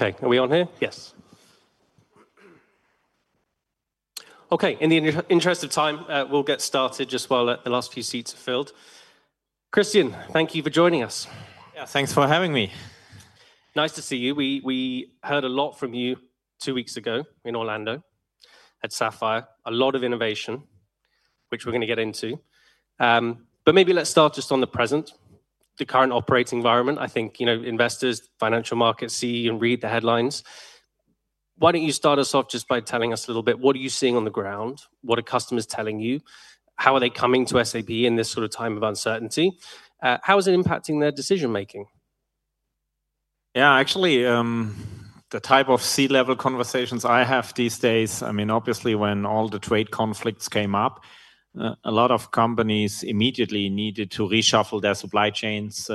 Okay, are we on here? Yes. Okay, in the interest of time, we'll get started just while the last few seats are filled. Christian, thank you for joining us. Yeah, thanks for having me. Nice to see you. We heard a lot from you two weeks ago in Orlando at Sapphire. A lot of innovation, which we're going to get into. Maybe let's start just on the present, the current operating environment. I think, you know, investors, financial markets see and read the headlines. Why don't you start us off just by telling us a little bit? What are you seeing on the ground? What are customers telling you? How are they coming to SAP in this sort of time of uncertainty? How is it impacting their decision-making? Yeah, actually, the type of C-level conversations I have these days, I mean, obviously when all the trade conflicts came up, a lot of companies immediately needed to reshuffle their supply chains.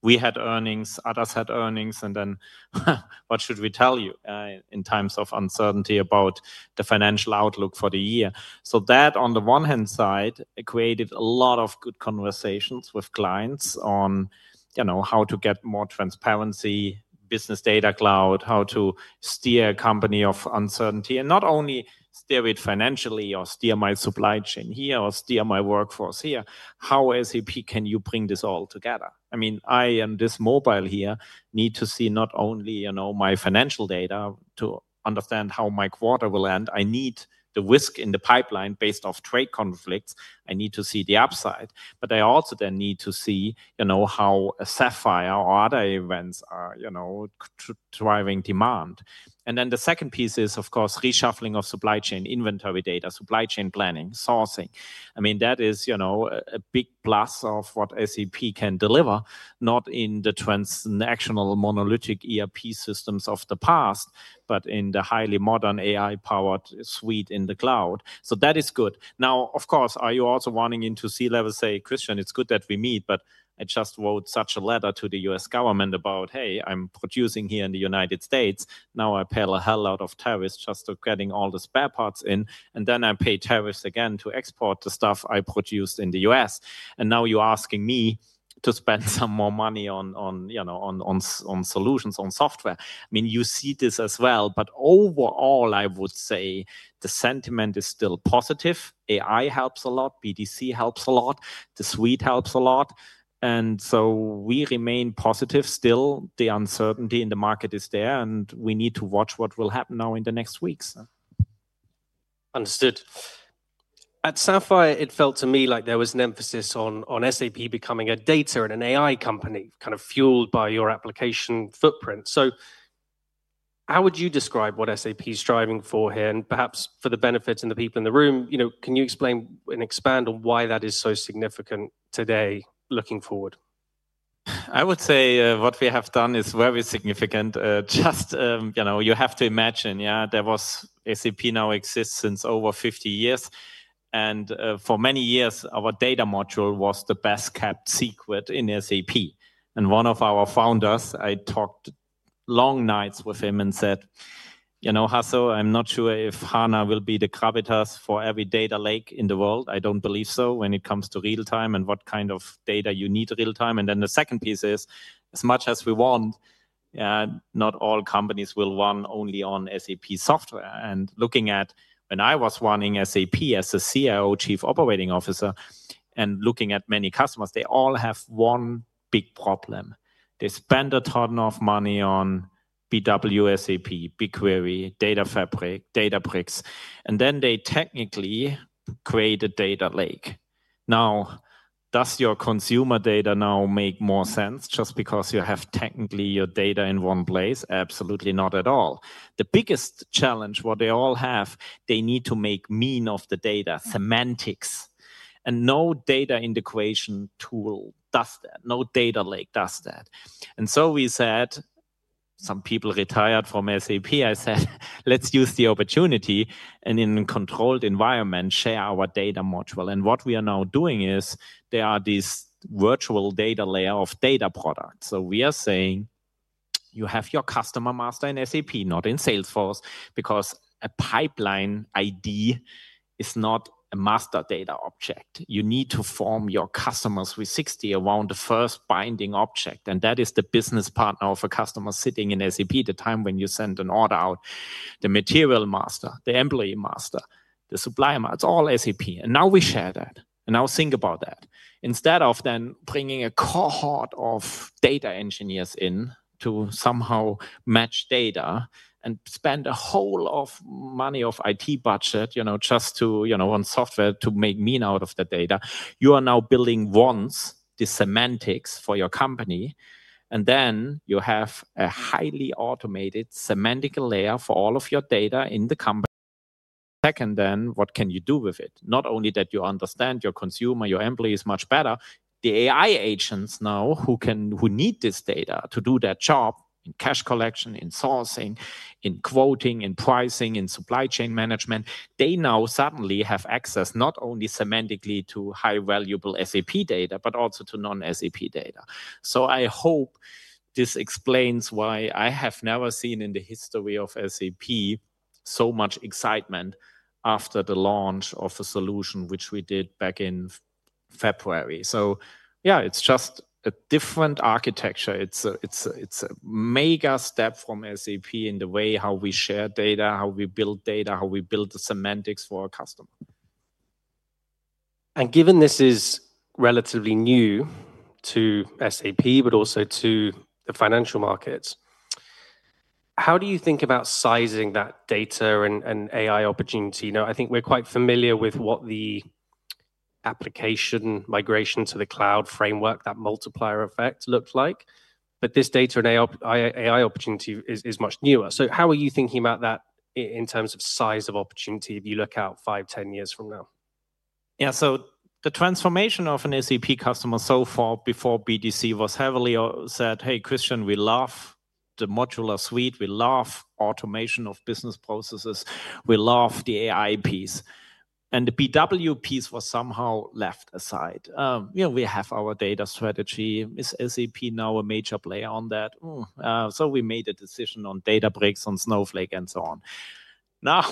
We had earnings, others had earnings, and then what should we tell you in times of uncertainty about the financial outlook for the year? That, on the one hand side, created a lot of good conversations with clients on, you know, how to get more transparency, Business Data Cloud, how to steer a company of uncertainty, and not only steer it financially or steer my supply chain here or steer my workforce here. How, SAP, can you bring this all together? I mean, I and this mobile here need to see not only, you know, my financial data to understand how my quarter will end. I need the risk in the pipeline based off trade conflicts. I need to see the upside, but I also then need to see, you know, how a Sapphire or other events are, you know, driving demand. The second piece is, of course, reshuffling of supply chain inventory data, supply chain planning, sourcing. I mean, that is, you know, a big plus of what SAP can deliver, not in the transactional monolithic ERP systems of the past, but in the highly modern AI-powered suite in the cloud. That is good. Now, of course, are you also running into C-level, say, Christian, it's good that we meet, but I just wrote such a letter to the U.S. government about, hey, I'm producing here in the United States. Now I pay a hell out of tariffs just to getting all the spare parts in, and then I pay tariffs again to export the stuff I produced in the U.S. You are asking me to spend some more money on, you know, on solutions, on software. I mean, you see this as well, but overall, I would say the sentiment is still positive. AI helps a lot. BDC helps a lot. The suite helps a lot. We remain positive still. The uncertainty in the market is there, and we need to watch what will happen now in the next weeks. Understood. At Sapphire, it felt to me like there was an emphasis on SAP becoming a data and an AI company, kind of fueled by your application footprint. How would you describe what SAP is striving for here? Perhaps for the benefits and the people in the room, you know, can you explain and expand on why that is so significant today, looking forward? I would say what we have done is very significant. Just, you know, you have to imagine, yeah, there was SAP now exists since over 50 years. And for many years, our data module was the best kept secret in SAP. And one of our founders, I talked long nights with him and said, you know, Hasso, I'm not sure if HANA will be the gravitas for every data lake in the world. I don't believe so when it comes to real time and what kind of data you need real time. The second piece is, as much as we want, yeah, not all companies will run only on SAP software. Looking at when I was running SAP as a CIO, Chief Operating Officer, and looking at many customers, they all have one big problem. They spend a ton of money on SAP, BigQuery, Data Factory, Databricks, and then they technically create a data lake. Now, does your consumer data now make more sense just because you have technically your data in one place? Absolutely not at all. The biggest challenge what they all have, they need to make mean of the data, semantics. And no data integration tool does that. No data lake does that. We said, some people retired from SAP. I said, let's use the opportunity and in a controlled environment share our data module. What we are now doing is there are these virtual data layer of data products. We are saying you have your customer master in SAP, not in Salesforce, because a pipeline ID is not a master data object. You need to form your customers with 60 around the first binding object. That is the business partner of a customer sitting in SAP at the time when you send an order out, the material master, the employee master, the supplier master, it's all SAP. Now we share that. Now think about that. Instead of then bringing a cohort of data engineers in to somehow match data and spend a whole lot of money of IT budget, you know, just to, you know, on software to make mean out of the data, you are now building once the semantics for your company. Then you have a highly automated semantic layer for all of your data in the company. Second, then what can you do with it? Not only that you understand your consumer, your employees much better, the AI agents now who can, who need this data to do that job in cash collection, in sourcing, in quoting, in pricing, in supply chain management, they now suddenly have access not only semantically to high valuable SAP data, but also to non-SAP data. I hope this explains why I have never seen in the history of SAP so much excitement after the launch of a solution, which we did back in February. It is just a different architecture. It is a mega step from SAP in the way how we share data, how we build data, how we build the semantics for our customer. Given this is relatively new to SAP, but also to the financial markets, how do you think about sizing that data and AI opportunity? You know, I think we're quite familiar with what the application migration to the cloud framework, that multiplier effect looked like, but this data and AI opportunity is much newer. How are you thinking about that in terms of size of opportunity if you look out five, ten years from now? Yeah, so the transformation of an SAP customer so far before BDC was heavily said, hey, Christian, we love the modular suite. We love automation of business processes. We love the AI piece. And the BW piece was somehow left aside. You know, we have our data strategy. Is SAP now a major player on that? So we made a decision on Databricks, on Snowflake, and so on. Now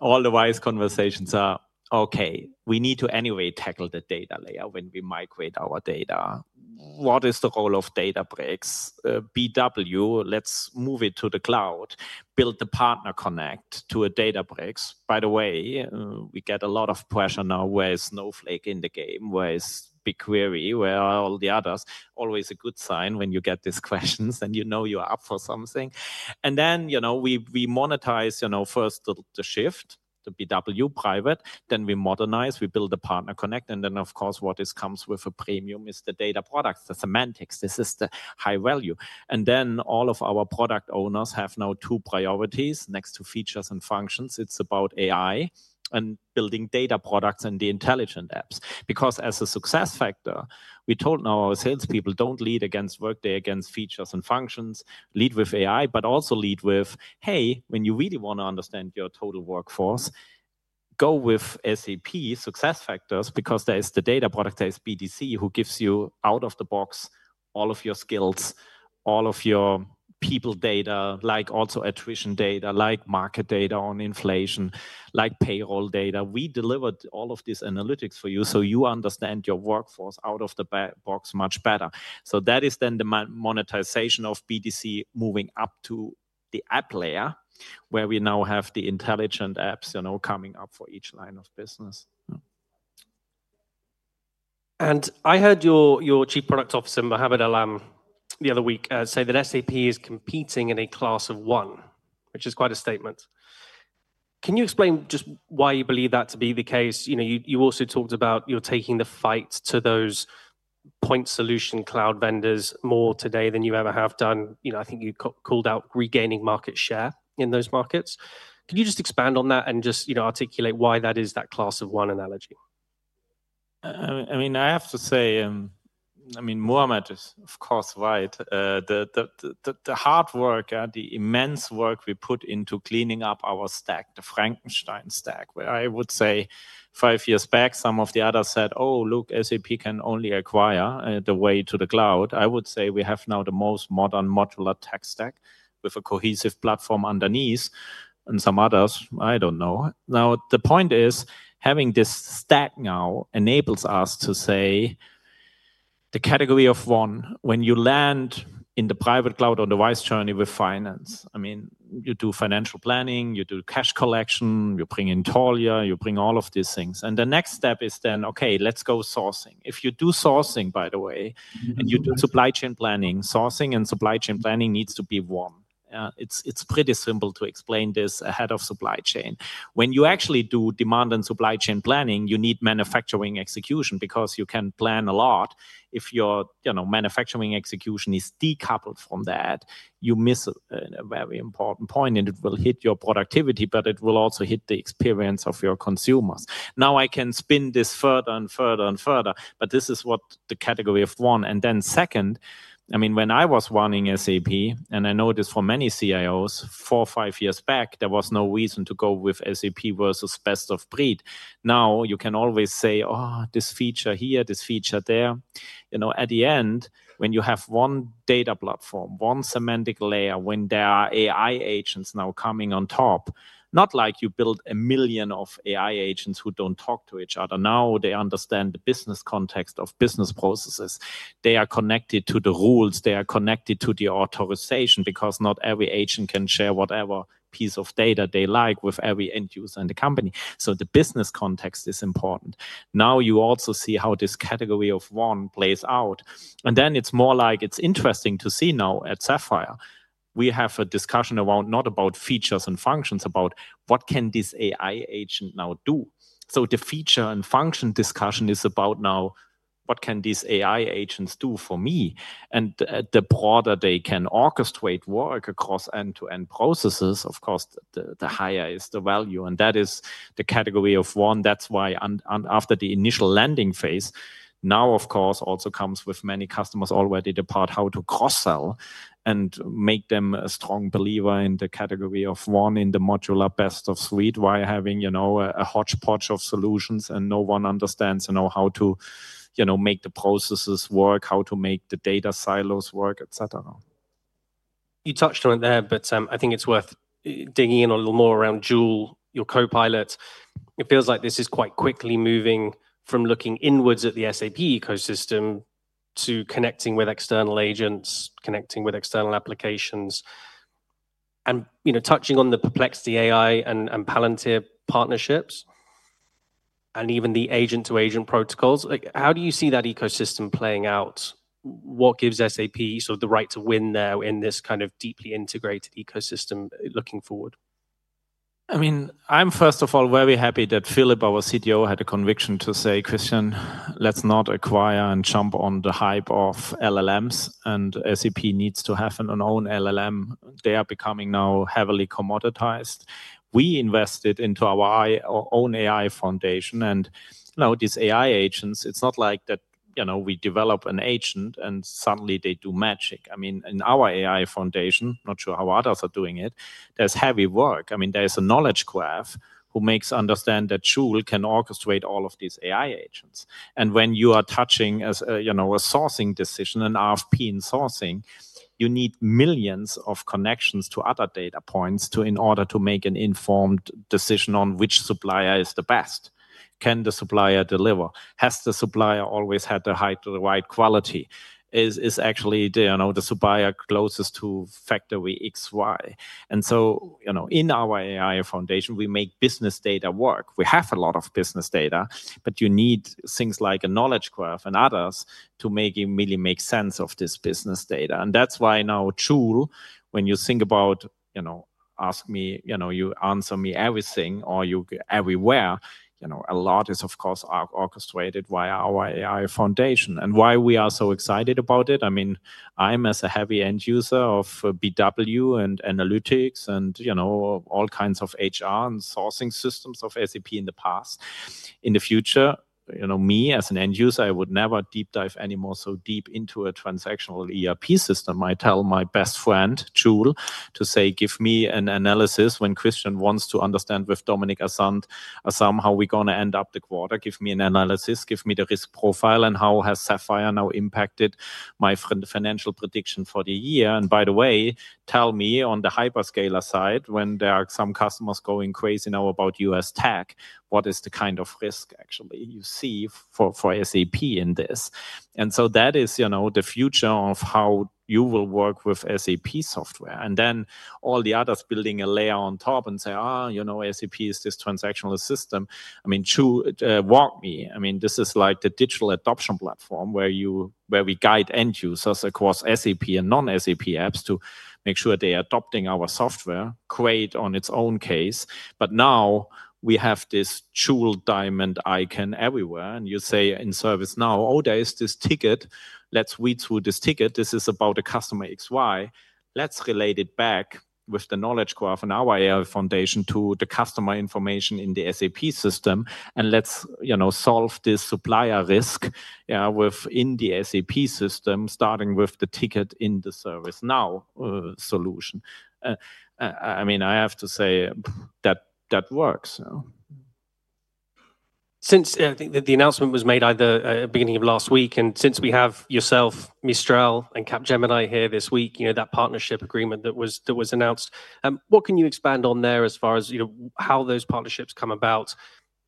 all the wise conversations are, okay, we need to anyway tackle the data layer when we migrate our data. What is the role of Databricks? BW, let's move it to the cloud, build the partner connect to a Databricks. By the way, we get a lot of pressure now, where is Snowflake in the game? Where is BigQuery? Where are all the others? Always a good sign when you get these questions and you know you're up for something. You know, we monetize, you know, first the shift, the BW private, then we modernize, we build a partner connect, and then of course what comes with a premium is the data products, the semantics. This is the high value. All of our product owners have now two priorities next to features and functions. It's about AI and building data products and the intelligent apps. Because as a success factor, we told our salespeople, don't lead against work, lead against features and functions, lead with AI, but also lead with, hey, when you really want to understand your total workforce, go with SAP SuccessFactors because there is the data product, there is BDC who gives you out of the box all of your skills, all of your people data, like also attrition data, like market data on inflation, like payroll data. We delivered all of these analytics for you so you understand your workforce out of the box much better. That is then the monetization of BDC moving up to the app layer where we now have the intelligent apps, you know, coming up for each line of business. I heard your Chief Product Officer, Muhammad Alam, the other week say that SAP is competing in a class of one, which is quite a statement. Can you explain just why you believe that to be the case? You know, you also talked about you're taking the fight to those point solution cloud vendors more today than you ever have done. You know, I think you called out regaining market share in those markets. Can you just expand on that and just, you know, articulate why that is that class of one analogy? I mean, I have to say, I mean, Muhammad is of course right. The hard work and the immense work we put into cleaning up our stack, the Frankenstein Stack, where I would say five years back some of the others said, oh, look, SAP can only acquire the way to the cloud. I would say we have now the most modern modular tech stack with a cohesive platform underneath and some others, I don't know. Now the point is having this stack now enables us to say the category of one, when you land in the private cloud on the wise journey with finance, I mean, you do financial planning, you do cash collection, you bring in Taulia, you bring all of these things. The next step is then, okay, let's go sourcing. If you do sourcing, by the way, and you do supply chain planning, sourcing and supply chain planning needs to be one. It's pretty simple to explain this ahead of supply chain. When you actually do demand and supply chain planning, you need manufacturing execution because you can plan a lot. If your, you know, manufacturing execution is decoupled from that, you miss a very important point and it will hit your productivity, but it will also hit the experience of your consumers. Now I can spin this further and further and further, but this is what the category of one. And then second, I mean, when I was running SAP, and I know this for many CIOs, four, five years back, there was no reason to go with SAP versus Best of Breed. Now you can always say, oh, this feature here, this feature there. You know, at the end, when you have one data platform, one semantic layer, when there are AI agents now coming on top, not like you build a million of AI agents who don't talk to each other. Now they understand the business context of business processes. They are connected to the rules. They are connected to the authorization because not every agent can share whatever piece of data they like with every end user in the company. So the business context is important. Now you also see how this category of one plays out. It is more like it's interesting to see now at Sapphire, we have a discussion around not about features and functions, about what can this AI agent now do. The feature and function discussion is about now what can these AI agents do for me? The broader they can orchestrate work across end-to-end processes, of course, the higher is the value. That is the category of one. That's why after the initial landing phase, now of course also comes with many customers already depart how to cross-sell and make them a strong believer in the category of one in the modular best of suite while having, you know, a hodgepodge of solutions and no one understands, you know, how to, you know, make the processes work, how to make the data silos work, et cetera. You touched on it there, but I think it's worth digging in a little more around Joule, your co-pilot. It feels like this is quite quickly moving from looking inwards at the SAP ecosystem to connecting with external agents, connecting with external applications, and, you know, touching on the Perplexity AI and Palantir partnerships and even the agent-to-agent protocols. How do you see that ecosystem playing out? What gives SAP sort of the right to win there in this kind of deeply integrated ecosystem looking forward? I mean, I'm first of all very happy that Philipp, our CTO, had a conviction to say, Christian, let's not acquire and jump on the hype of LLMs. And SAP needs to have an own LLM. They are becoming now heavily commoditized. We invested into our own AI foundation. Now these AI agents, it's not like that, you know, we develop an agent and suddenly they do magic. I mean, in our AI foundation, not sure how others are doing it, there's heavy work. I mean, there's a knowledge graph who makes understand that Joule can orchestrate all of these AI agents. When you are touching, you know, a sourcing decision, an RFP in sourcing, you need millions of connections to other data points in order to make an informed decision on which supplier is the best. Can the supplier deliver? Has the supplier always had the right quality? Is actually, you know, the supplier closest to factory XY? You know, in our AI foundation, we make business data work. We have a lot of business data, but you need things like a knowledge graph and others to really make sense of this business data. That is why now Joule, when you think about, you know, ask me, you know, you answer me everything or you everywhere, you know, a lot is of course orchestrated via our AI foundation. Why we are so excited about it? I mean, I am as a heavy end user of BW and analytics and, you know, all kinds of HR and sourcing systems of SAP in the past. In the future, you know, me as an end user, I would never deep dive any more so deep into a transactional ERP system. I tell my best friend Joule to say, give me an analysis when Christian wants to understand with Dominik Asam, how are we going to end up the quarter? Give me an analysis, give me the risk profile and how has Sapphire now impacted my financial prediction for the year? By the way, tell me on the hyperscaler side, when there are some customers going crazy now about U.S. tech, what is the kind of risk actually you see for SAP in this? That is, you know, the future of how you will work with SAP software. All the others building a layer on top and say, you know, SAP is this transactional system. I mean, Joule, walk me. I mean, this is like the digital adoption platform where we guide end users across SAP and non-SAP apps to make sure they are adopting our software great on its own case. Now we have this Joule diamond icon everywhere. You say in ServiceNow, oh, there is this ticket. Let's read through this ticket. This is about a customer XY. Let's relate it back with the knowledge graph and our AI foundation to the customer information in the SAP system. Let's, you know, solve this supplier risk, yeah, within the SAP system starting with the ticket in the ServiceNow solution. I mean, I have to say that that works. Since I think the announcement was made either at the beginning of last week and since we have yourself, Mistral and Capgemini here this week, you know, that partnership agreement that was announced, what can you expand on there as far as, you know, how those partnerships come about,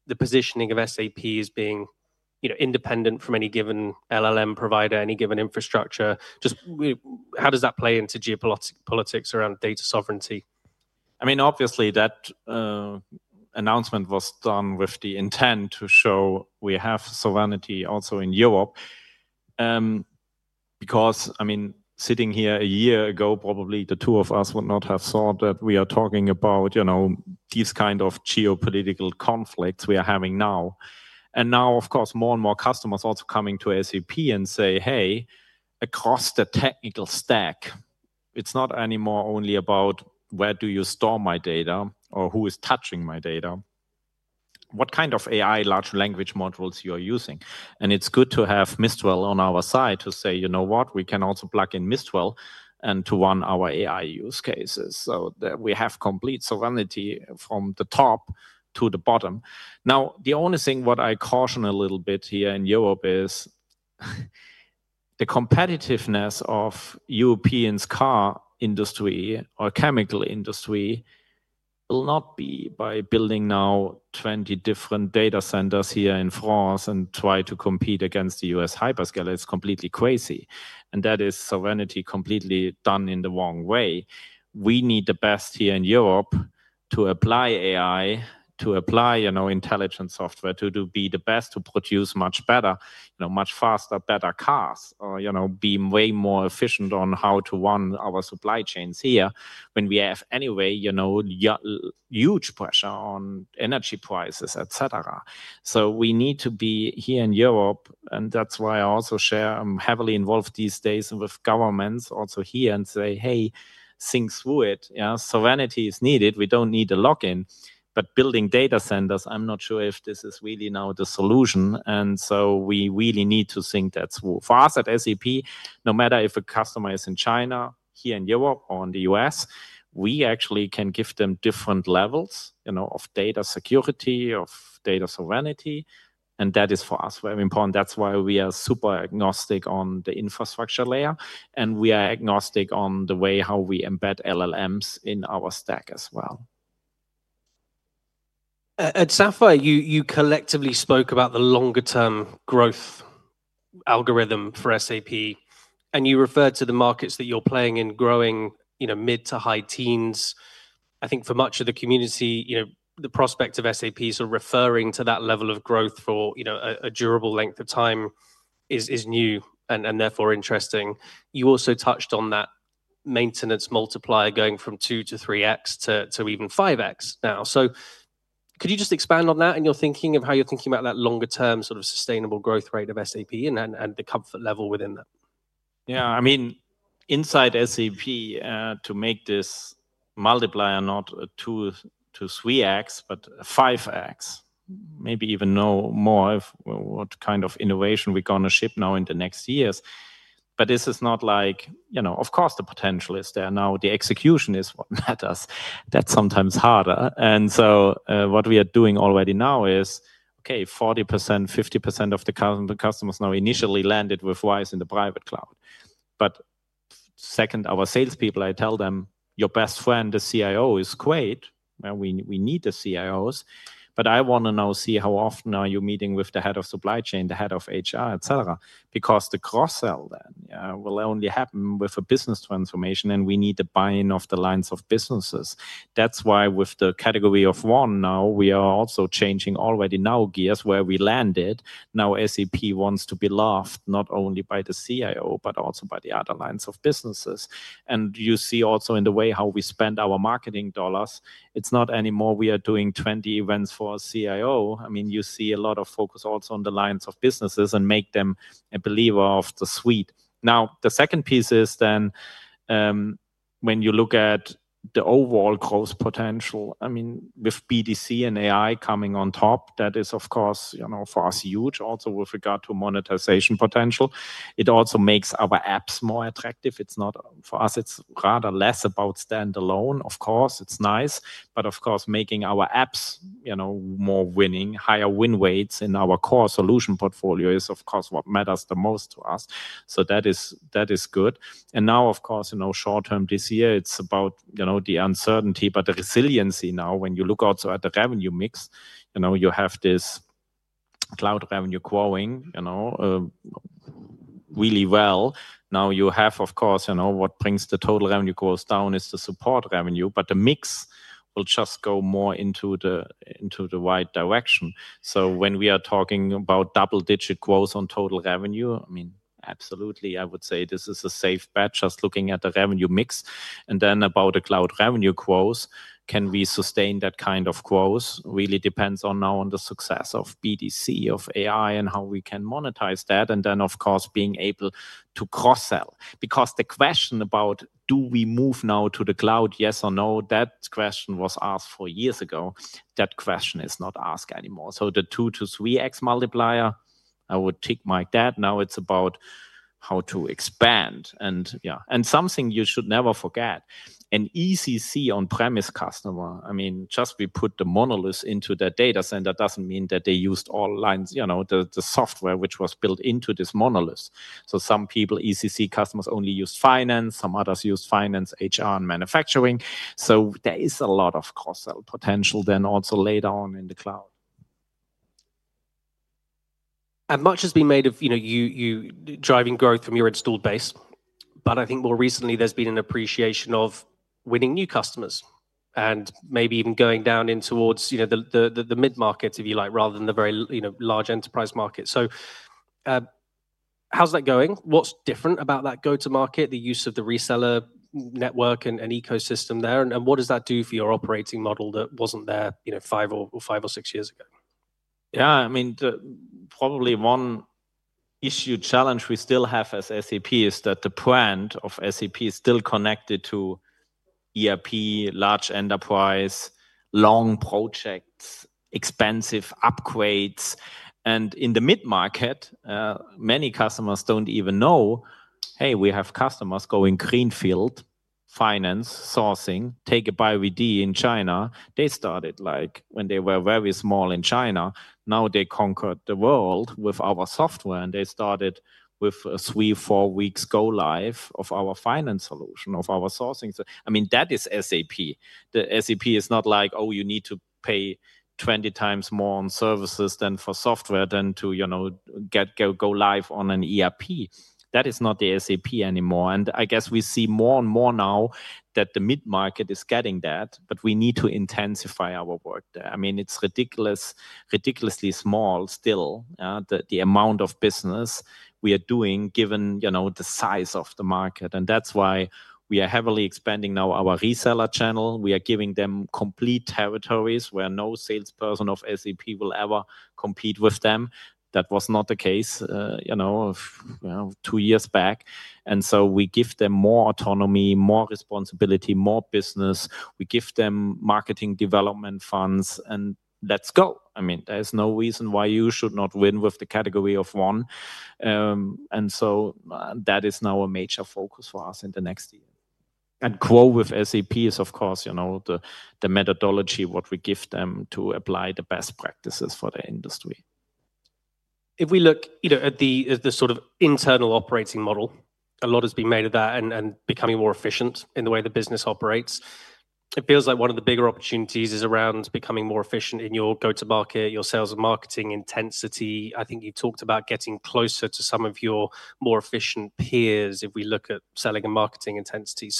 the positioning of SAP as being, you know, independent from any given LLM provider, any given infrastructure? Just how does that play into geopolitics around data sovereignty? I mean, obviously that announcement was done with the intent to show we have sovereignty also in Europe. Because, I mean, sitting here a year ago, probably the two of us would not have thought that we are talking about, you know, these kind of geopolitical conflicts we are having now. Now, of course, more and more customers also coming to SAP and say, hey, across the technical stack, it's not anymore only about where do you store my data or who is touching my data, what kind of AI large language models you are using. It's good to have Mistral on our side to say, you know what, we can also plug in Mistral and to run our AI use cases. That way we have complete sovereignty from the top to the bottom. Now, the only thing what I caution a little bit here in Europe is the competitiveness of European car industry or chemical industry will not be by building now 20 different data centers here in France and try to compete against the U.S. hyperscalers. It's completely crazy. That is sovereignty completely done in the wrong way. We need the best here in Europe to apply AI, to apply, you know, intelligent software to be the best, to produce much better, you know, much faster, better cars, or, you know, be way more efficient on how to run our supply chains here when we have anyway, you know, huge pressure on energy prices, et cetera. We need to be here in Europe. That's why I also share, I'm heavily involved these days with governments also here and say, hey, think through it. Yeah, sovereignty is needed. We do not need a lock-in, but building data centers, I am not sure if this is really now the solution. We really need to think that for us at SAP, no matter if a customer is in China, here in Europe or in the U.S., we actually can give them different levels, you know, of data security, of data sovereignty. That is for us very important. That is why we are super agnostic on the infrastructure layer. We are agnostic on the way how we embed LLMs in our stack as well. At Sapphire, you collectively spoke about the longer-term growth algorithm for SAP. You referred to the markets that you're playing in growing, you know, mid to high teens. I think for much of the community, you know, the prospect of SAP sort of referring to that level of growth for, you know, a durable length of time is new and therefore interesting. You also touched on that maintenance multiplier going from two to three X to even five X now. Could you just expand on that and your thinking of how you're thinking about that longer-term sort of sustainable growth rate of SAP and the comfort level within that? Yeah, I mean, inside SAP, to make this multiplier not two to three X, but five X, maybe even no more of what kind of innovation we're going to ship now in the next years. This is not like, you know, of course the potential is there. Now the execution is what matters. That's sometimes harder. What we are doing already now is, okay, 40%-50% of the customers now initially landed with RISE in the private cloud. Second, our salespeople, I tell them, your best friend, the CIO is great. We need the CIOs. I want to now see how often are you meeting with the head of supply chain, the head of HR, et cetera, because the cross-sell then will only happen with a business transformation and we need the buying of the lines of businesses. That's why with the category of one now, we are also changing already now gears where we landed. Now SAP wants to be loved not only by the CIO, but also by the other lines of businesses. You see also in the way how we spend our marketing dollars, it's not anymore we are doing 20 events for our CIO. I mean, you see a lot of focus also on the lines of businesses and make them a believer of the suite. The second piece is then when you look at the overall growth potential, I mean, with BDC and AI coming on top, that is of course, you know, for us huge also with regard to monetization potential. It also makes our apps more attractive. It's not for us, it's rather less about standalone. Of course, it's nice, but of course making our apps, you know, more winning, higher win rates in our core solution portfolio is of course what matters the most to us. That is good. Now, of course, you know, short term this year, it's about, you know, the uncertainty, but the resiliency now when you look also at the revenue mix, you know, you have this cloud revenue growing, you know, really well. You have, of course, you know, what brings the total revenue growth down is the support revenue, but the mix will just go more into the right direction. When we are talking about double-digit growth on total revenue, I mean, absolutely, I would say this is a safe bet just looking at the revenue mix. Then about the cloud revenue growth, can we sustain that kind of growth? Really depends on now on the success of BDC, of AI and how we can monetize that. Of course, being able to cross-sell. Because the question about do we move now to the cloud, yes or no, that question was asked four years ago. That question is not asked anymore. The two to three X multiplier, I would take my dad. Now it's about how to expand. Yeah, and something you should never forget, an ECC on-premise customer, I mean, just we put the monolith into that data center does not mean that they used all lines, you know, the software which was built into this monolith. Some people, ECC customers only used finance, some others used finance, HR and manufacturing. There is a lot of cross-sell potential then also later on in the cloud. Much has been made of, you know, you driving growth from your installed base, but I think more recently there's been an appreciation of winning new customers and maybe even going down in towards, you know, the mid-market, if you like, rather than the very large enterprise market. How's that going? What's different about that go-to-market, the use of the reseller network and ecosystem there? What does that do for your operating model that wasn't there, you know, five or six years ago? Yeah, I mean, probably one issue challenge we still have as SAP is that the brand of SAP is still connected to ERP, large enterprise, long projects, expensive upgrades. In the mid-market, many customers do not even know, hey, we have customers going Greenfield, finance, sourcing, take a BioVD in China. They started like when they were very small in China. Now they conquered the world with our software and they started with a three, four weeks go live of our finance solution, of our sourcing. I mean, that is SAP. The SAP is not like, oh, you need to pay 20 times more on services than for software than to, you know, go live on an ERP. That is not the SAP anymore. I guess we see more and more now that the mid-market is getting that, but we need to intensify our work there. I mean, it's ridiculous, ridiculously small still, the amount of business we are doing given, you know, the size of the market. That's why we are heavily expanding now our reseller channel. We are giving them complete territories where no salesperson of SAP will ever compete with them. That was not the case, you know, two years back. We give them more autonomy, more responsibility, more business. We give them marketing development funds and let's go. I mean, there's no reason why you should not win with the category of one. That is now a major focus for us in the next year. Grow with SAP is of course, you know, the methodology, what we give them to apply the best practices for the industry. If we look either at the sort of internal operating model, a lot has been made of that and becoming more efficient in the way the business operates. It feels like one of the bigger opportunities is around becoming more efficient in your go-to-market, your sales and marketing intensity. I think you talked about getting closer to some of your more efficient peers if we look at selling and marketing intensity.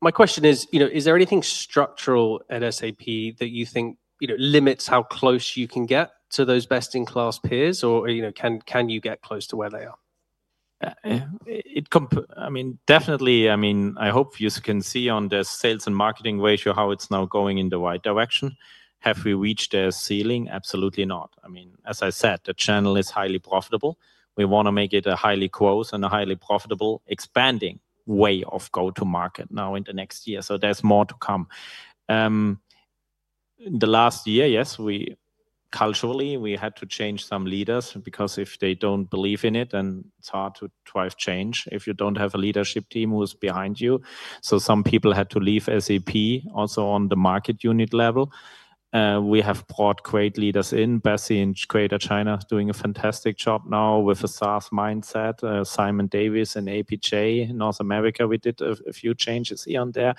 My question is, you know, is there anything structural at SAP that you think, you know, limits how close you can get to those best-in-class peers or, you know, can you get close to where they are? I mean, definitely. I mean, I hope you can see on the sales and marketing ratio how it's now going in the right direction. Have we reached a ceiling? Absolutely not. I mean, as I said, the channel is highly profitable. We want to make it a highly growth and a highly profitable expanding way of go-to-market now in the next year. There's more to come. In the last year, yes, culturally, we had to change some leaders because if they don't believe in it, then it's hard to drive change if you don't have a leadership team who's behind you. Some people had to leave SAP also on the market unit level. We have brought great leaders in, Bessie in Greater China doing a fantastic job now with a SaaS mindset, Simon Davis in [APJ North America]. We did a few changes here and there.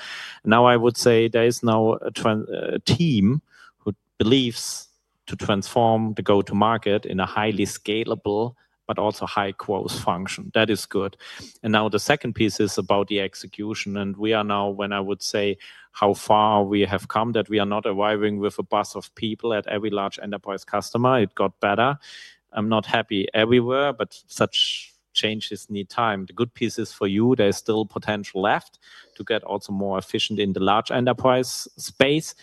Now I would say there is now a team who believes to transform the go-to-market in a highly scalable, but also high growth function. That is good. Now the second piece is about the execution. We are now, when I would say how far we have come, that we are not arriving with a bus of people at every large enterprise customer. It got better. I'm not happy everywhere, but such changes need time. The good piece is for you, there's still potential left to get also more efficient in the large enterprise space.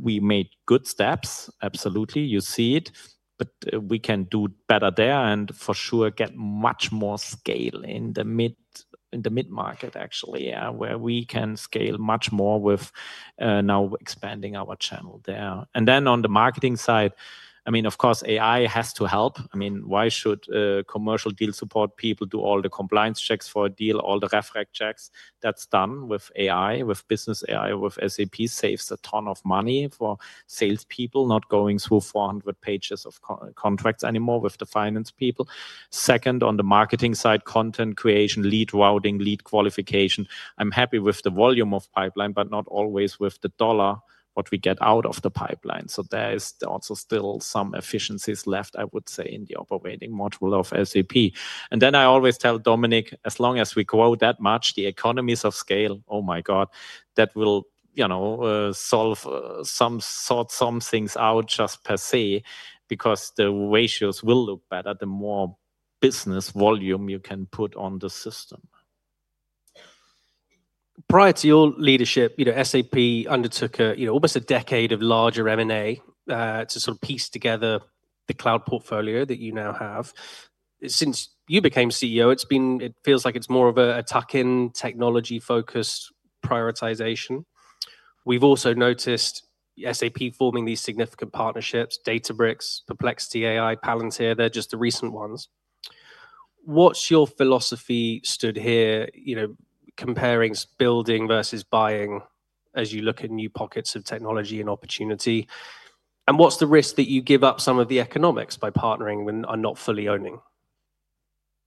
We made good steps. Absolutely. You see it, but we can do better there and for sure get much more scale in the mid-market actually, where we can scale much more with now expanding our channel there. On the marketing side, I mean, of course AI has to help. I mean, why should commercial deal support people do all the compliance checks for a deal, all the refract checks? That's done with AI, with business AI, with SAP. Saves a ton of money for salespeople not going through 400 pages of contracts anymore with the finance people. Second, on the marketing side, content creation, lead routing, lead qualification. I'm happy with the volume of pipeline, but not always with the dollar what we get out of the pipeline. There is also still some efficiencies left, I would say, in the operating model of SAP. I always tell Dominik, as long as we grow that much, the economies of scale, oh my God, that will, you know, solve some sort, some things out just per se because the ratios will look better the more business volume you can put on the system. Prior to your leadership, you know, SAP undertook a, you know, almost a decade of larger M&A to sort of piece together the cloud portfolio that you now have. Since you became CEO, it's been, it feels like it's more of a tuck-in technology-focused prioritization. We've also noticed SAP forming these significant partnerships, Databricks, Perplexity AI, Palantir, they're just the recent ones. What's your philosophy stood here, you know, comparing building versus buying as you look at new pockets of technology and opportunity? What's the risk that you give up some of the economics by partnering when I'm not fully owning?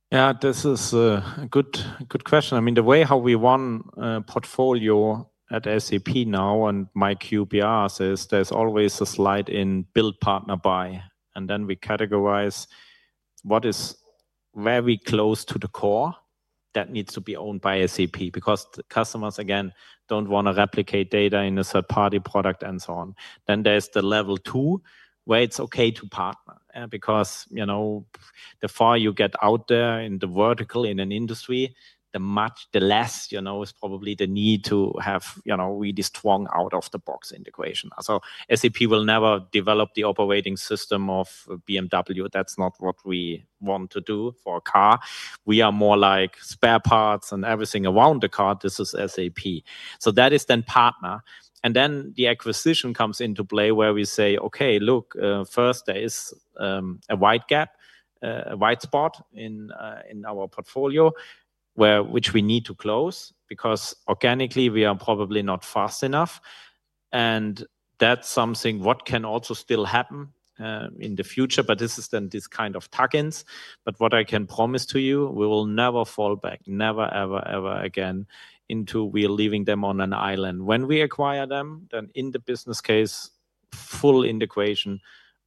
Yeah, this is a good question. I mean, the way how we run a portfolio at SAP now and my QBRs is there's always a slide in build partner buy. And then we categorize what is very close to the core that needs to be owned by SAP because the customers again don't want to replicate data in a third-party product and so on. Then there's the level two where it's okay to partner because, you know, the far you get out there in the vertical in an industry, the much, the less, you know, is probably the need to have, you know, really strong out-of-the-box integration. SAP will never develop the operating system of BMW. That's not what we want to do for a car. We are more like spare parts and everything around the car. This is SAP. That is then partner. The acquisition comes into play where we say, okay, look, first there is a wide gap, a wide spot in our portfolio which we need to close because organically we are probably not fast enough. That is something that can also still happen in the future, but this is then this kind of tuck-ins. What I can promise to you, we will never fall back, never, ever, ever again into we are leaving them on an island. When we acquire them, then in the business case, full integration,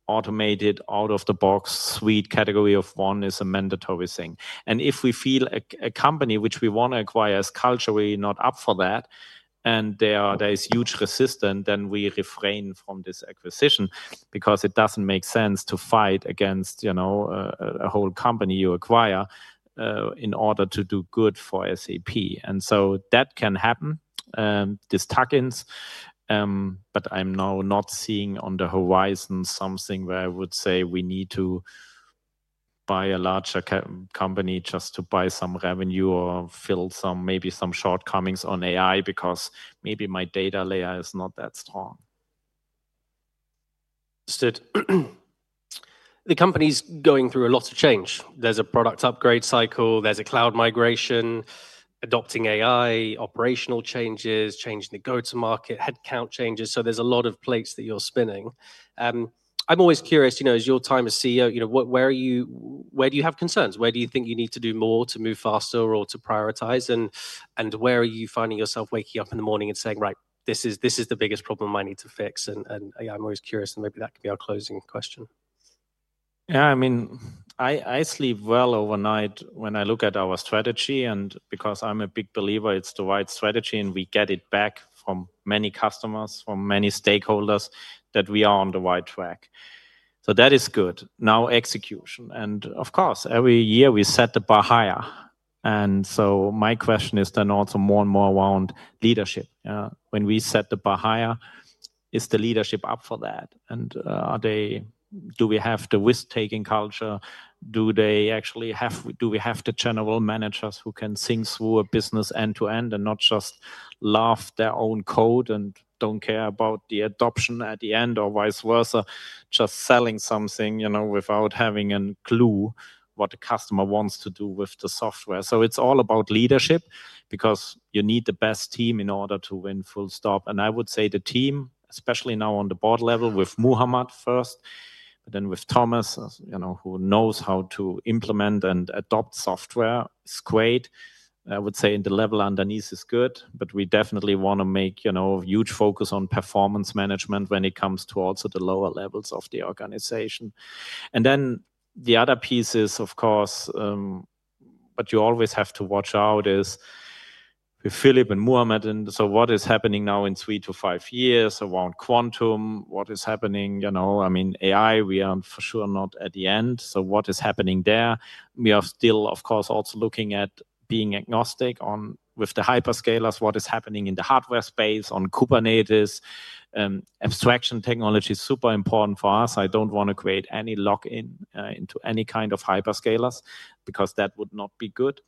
automated, out-of-the-box suite category of one is a mandatory thing. If we feel a company which we want to acquire is culturally not up for that and there is huge resistance, then we refrain from this acquisition because it does not make sense to fight against, you know, a whole company you acquire in order to do good for SAP. That can happen, these tuck-ins, but I am now not seeing on the horizon something where I would say we need to buy a larger company just to buy some revenue or fill some, maybe some shortcomings on AI because maybe my data layer is not that strong. Understood. The company's going through a lot of change. There's a product upgrade cycle, there's a cloud migration, adopting AI, operational changes, changing the go-to-market, headcount changes. There's a lot of plates that you're spinning. I'm always curious, you know, as your time as CEO, you know, where do you have concerns? Where do you think you need to do more to move faster or to prioritize? Where are you finding yourself waking up in the morning and saying, right, this is the biggest problem I need to fix? I'm always curious, and maybe that could be our closing question. Yeah, I mean, I sleep well overnight when I look at our strategy. And because I'm a big believer, it's the right strategy. And we get it back from many customers, from many stakeholders that we are on the right track. So that is good. Now execution. Of course, every year we set the bar higher. My question is then also more and more around leadership. When we set the bar higher, is the leadership up for that? Do we have the risk-taking culture? Do they actually have, do we have the general managers who can think through a business end-to-end and not just love their own code and don't care about the adoption at the end or vice versa, just selling something, you know, without having a clue what the customer wants to do with the software? It is all about leadership because you need the best team in order to win, full stop. I would say the team, especially now on the board level with Muhammad first, but then with Thomas, you know, who knows how to implement and adopt software is great. I would say the level underneath is good, but we definitely want to make, you know, huge focus on performance management when it comes to also the lower levels of the organization. The other piece is, of course, what you always have to watch out is with Philipp and Muhammad. What is happening now in three to five years around quantum, what is happening, you know, I mean, AI, we are for sure not at the end. What is happening there? We are still, of course, also looking at being agnostic on with the hyperscalers, what is happening in the hardware space on Kubernetes. Abstraction technology is super important for us. I don't want to create any lock-in into any kind of hyperscalers because that would not be good.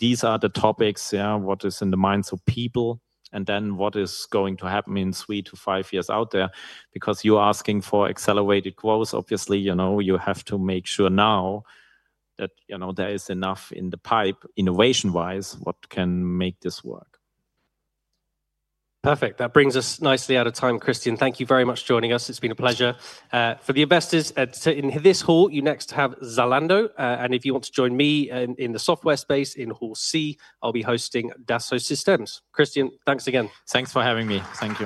These are the topics, yeah, what is in the minds of people and then what is going to happen in three to five years out there because you're asking for accelerated growth. Obviously, you know, you have to make sure now that, you know, there is enough in the pipe innovation-wise what can make this work. Perfect. That brings us nicely out of time, Christian. Thank you very much for joining us. It's been a pleasure. For the investors in this hall, you next have Zalando. If you want to join me in the software space in Hall C, I'll be hosting Dassault Systèmes. Christian, thanks again. Thanks for having me. Thank you.